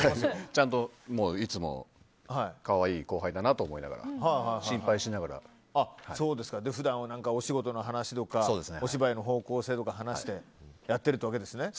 ちゃんと、いつも可愛い後輩だなと思いながら普段はお仕事の話とかお芝居の方向性とか話して、やってるわけですね。